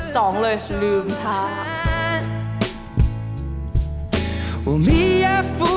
สองเลยลืมทาค่ะ